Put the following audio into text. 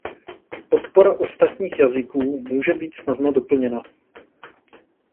Podpora ostatních jazyků může být snadno doplněna.